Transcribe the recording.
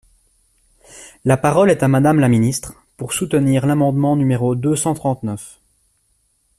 La parole est à Madame la ministre, pour soutenir l’amendement numéro deux cent trente-neuf.